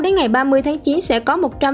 đến ngày ba mươi tháng chín sẽ có